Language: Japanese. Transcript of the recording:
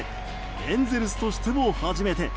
エンゼルスとしても初めて。